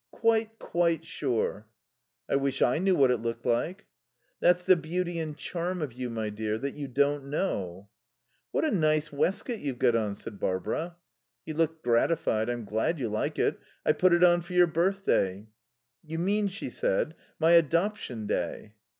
"Quite, quite sure." "I wish I knew what it looked like." "That's the beauty and charm of you, my dear, that you don't know." "What a nice waistcoat you've got on," said Barbara. He looked gratified. "I'm glad you like it I put it on for your birthday." "You mean," she said, "my adoption day."